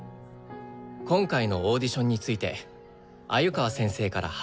今回のオーディションについて鮎川先生から話があるそうです。